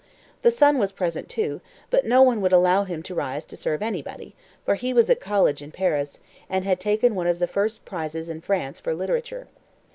The son was present too, but no one would allow him to rise to serve anybody, for he was at college in Paris, and had taken one of the first prizes in France for literature.